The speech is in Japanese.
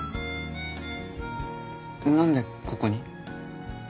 何でここに？